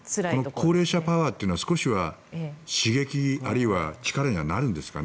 高齢者パワーというのは少しは刺激あるいは力にはなるんですかね。